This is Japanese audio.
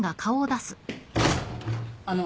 あの。